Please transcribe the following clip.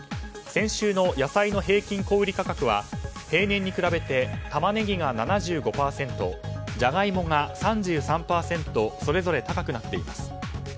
先週の野菜の平均小売価格は平年に比べてタマネギが７５％ジャガイモが３３％それぞれ高くなっています。